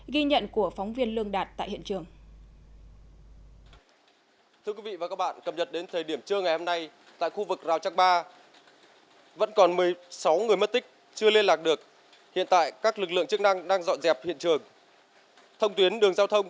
ghi nhận của phóng viên lương đạt tại hiện trường